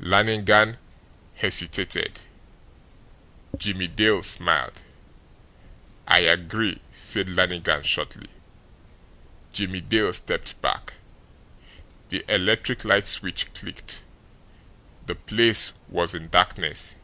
Lannigan hesitated. Jimmie Dale smiled. "I agree," said Lannigan shortly. Jimmie Dale stepped back. The electric light switch clicked. The place was in darkness.